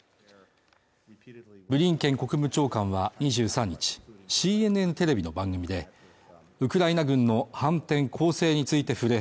ブリンケン国務長官は２３日ＣＮＮテレビの番組でウクライナ軍の反転攻勢について触れ